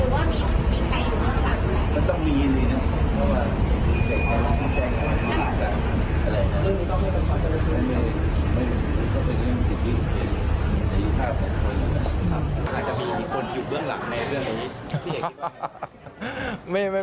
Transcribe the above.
มีคนอยู่เบื้องหลังในเรื่องนี้